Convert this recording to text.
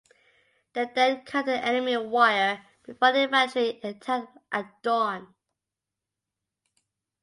They then cut the enemy wire before the infantry attacked at dawn.